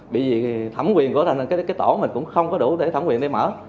vì thẩm quyền của thành phố cái tổ mình cũng không có đủ để thẩm quyền để mở